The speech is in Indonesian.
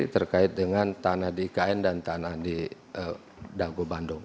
terkait dengan tanah di ikn dan tanah di dago bandung